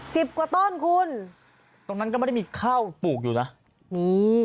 สิบกว่าต้นคุณตรงนั้นก็ไม่ได้มีข้าวปลูกอยู่นะมี